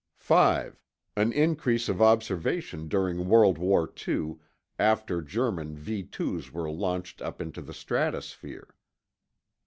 5. An increase of observation during World War II, after German V 2's were launched up into the stratosphere.